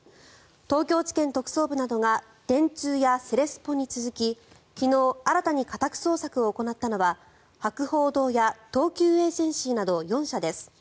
東京地検特捜部などが電通やセレスポに続き昨日、新たに家宅捜索を行ったのは博報堂や東急エージェンシーなど４社です。